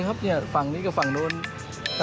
ยิงกันเลยครับฝั่งนี้กับฝั่งโน้นครับ